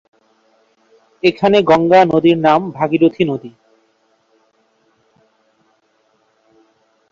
এখানে গঙ্গা নদীর নাম ভাগীরথী নদী।